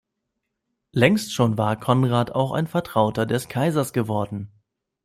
Längst schon war Konrad auch ein Vertrauter des Kaisers geworden.